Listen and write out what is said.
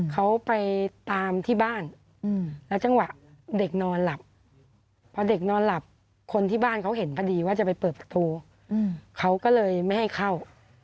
เขาไปตามที่บ้านแล้วจังหวะเด็กนอนหลับพอเด็กนอนหลับคนที่บ้านเขาเห็นพอดีว่าจะไปเปิดประตูเขาก็เลยไม่ให้เข้า